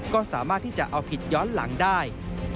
ก็สามารถที่จะเอาผิดย้อนหลังได้